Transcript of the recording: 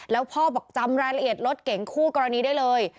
แล้วพ่อบอกจำรายละเอียดรถเก่งคู่กรณีได้เลย